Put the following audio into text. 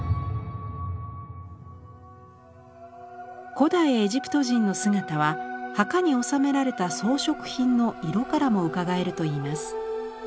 古代エジプト人の姿は墓に納められた装飾品の色からもうかがえるといいます。